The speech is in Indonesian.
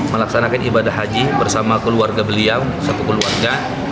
melaksanakan ibadah haji bersama keluarga beliau satu keluarga